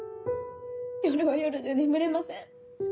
夜は夜で眠れません。